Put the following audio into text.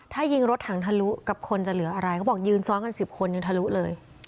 ถ้ายิงรถถังทะลุกับคนจะเหลืออะไรเขาบอกยืนซ้อนกัน๑๐คนยังทะลุเลย